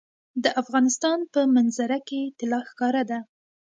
د افغانستان په منظره کې طلا ښکاره ده.